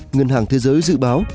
ngân hàng thế giới dự báo